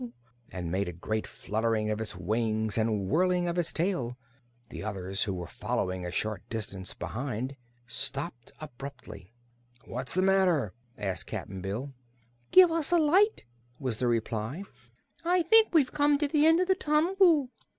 and made a great fluttering of its wings and whirling of its tail. The others, who were following a short distance behind, stopped abruptly. "What's the matter?" asked Cap'n Bill. "Give us a light," was the reply. "I think we've come to the end of the tunnel."